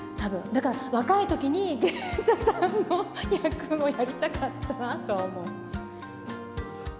だから若いときに芸者さんの役をやりたかったなとは思う。